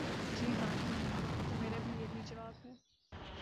''جی ہاں، کیوں نہیں‘‘ ''تو میرا بھی یہی جواب ہے۔